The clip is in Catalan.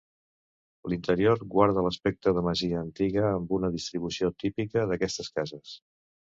L'interior guarda l'aspecte de masia antiga amb una distribució típica d'aquestes cases.